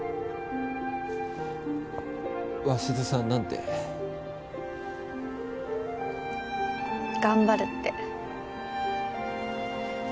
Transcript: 鷲津さん何て？頑張るって。